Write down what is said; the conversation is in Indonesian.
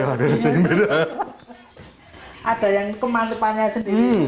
ada yang kemantepannya sendiri lebih tahu kalau ini memang baru